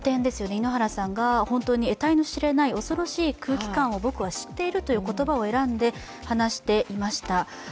井ノ原さんが得体の知れない恐ろしい空気感を僕は知っているという言葉を選んで話していました。